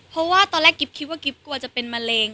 เพราะว่าตอนแรกกิ๊บคิดว่ากิ๊บกลัวจะเป็นมะเร็ง